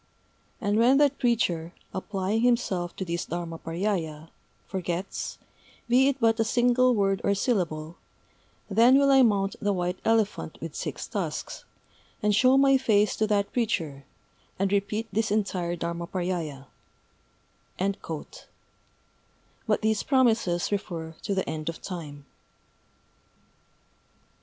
And when that preacher, applying himself to this Dharmaparyâya, forgets, be it but a single word or syllable, then will I mount the white elephant with six tusks, and show my face to that preacher, and repeat this entire Dharmaparyâya." But these promises refer to "the end of time."